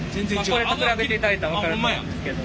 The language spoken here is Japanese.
これと比べていただいたら分かると思うんですけど。